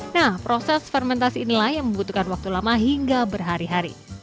nah proses fermentasi inilah yang membutuhkan waktu lama hingga berhari hari